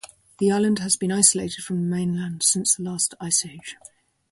The island has been isolated from the mainland since the last ice age.